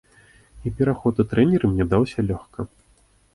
І пераход у трэнеры мне даўся лёгка.